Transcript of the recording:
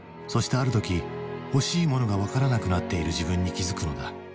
ある時欲しいものが分からなくなっている自分に気付くのだ。